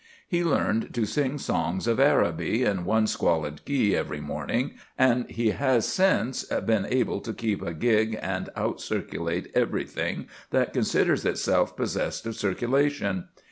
He learned to sing songs of Araby in one squalid key every morning, and he has since been able to keep a gig and out circulate everything that considers itself possessed of circulation.